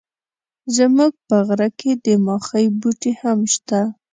زموږ په غره کي د ماخۍ بوټي هم سته.